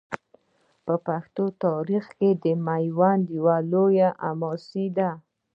د پښتنو په تاریخ کې میوند یوه لویه حماسه ده.